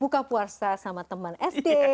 buka puasa sama teman sd